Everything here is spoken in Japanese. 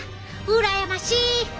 うらやましい！